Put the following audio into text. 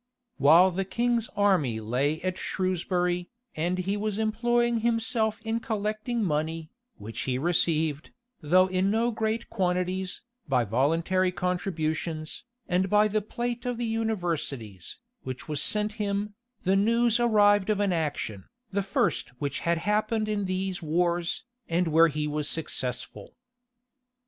While the king's army lay at Shrewsbury, and he was employing himself in collecting money, which he received, though in no great quantities, by voluntary contributions, and by the plate of the universities, which was sent him, the news arrived of an action, the first which had happened in these wars, and where he was successful.